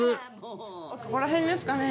ここら辺ですかね。